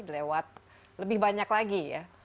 lewat lebih banyak lagi ya